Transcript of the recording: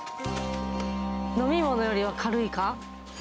飲み物よりは軽いか？